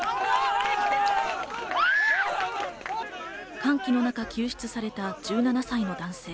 歓喜の中、救出された１７歳の男性。